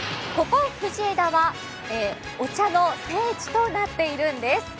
ここ藤枝はお茶の聖地となっているんです。